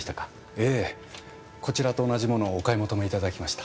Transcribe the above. ええこちらと同じ物をお買い求めいただきました。